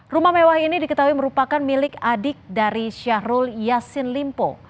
rumah mewah ini diketahui merupakan milik adik dari syahrul yassin limpo